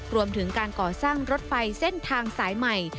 รวมถึงการก่อสร้างรถไฟเส้นทางสายใหม่